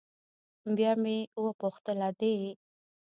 بيا مې وپوښتل ادې.